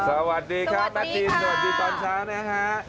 สวัสดีครับแมททินสวัสดีตอนเช้านะฮะ